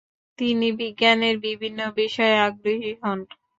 তিনি বিজ্ঞানের বিভিন্ন বিষয়ে আগ্রহী হন।